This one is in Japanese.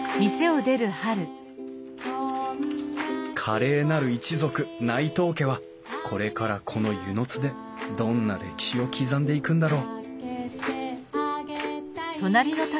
華麗なる一族内藤家はこれからこの温泉津でどんな歴史を刻んでいくんだろう